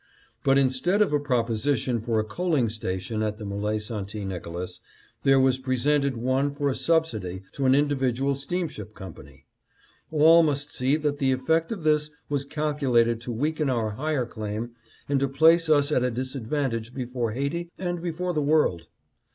But instead of a proposition for a coaling station at the M61e St. Nicolas, there was presented one for a subsidy to an in dividual steamship company. All must see that the effect of this was calculated to weaken our higher claim and to place us at a disadvantage before Haiti and before all the world.